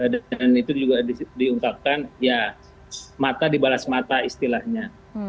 dan itu juga diungkapkan ya mata dibalas mata istilahnya